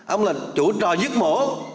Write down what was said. ông là chủ trò giết mổ